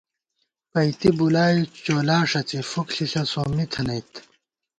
پئیتی بُلائےچولا ݭڅی ، فُک ݪِݪہ سومّی تھنَئیت